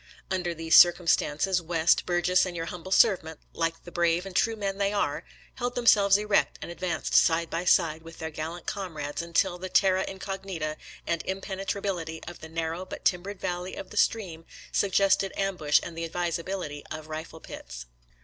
Under these circumstances, West, Burges, and your humble servant, like the brave and true men they are, held themselves erect and advanced side by side with their gallant comrades until the terra incognita and impenetrability of the narrow but timbered valley of the stream suggested ambush and the advisability of rifle pits.